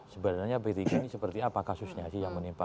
sebenarnya p tiga ini seperti apa kasusnya sih yang menimpa